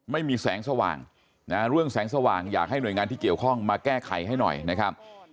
ไม่มีแสงสว่างนะเรื่องแสงสว่างอยากให้หน่วยงานที่เกี่ยวข้องมาแก้ไขให้หน่อยนะครับ